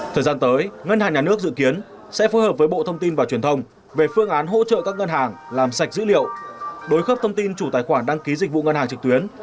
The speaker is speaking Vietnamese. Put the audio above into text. thời gian tới ngân hàng nhà nước dự kiến sẽ phối hợp với bộ thông tin và truyền thông về phương án hỗ trợ các ngân hàng làm sạch dữ liệu đối khớp thông tin chủ tài khoản đăng ký dịch vụ ngân hàng trực tuyến